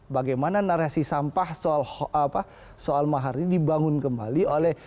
bagaimana narasi sampah soal mahar ini dibangun kembali oleh